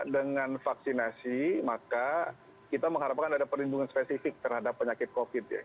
dengan vaksinasi maka kita mengharapkan ada perlindungan spesifik terhadap penyakit covid ya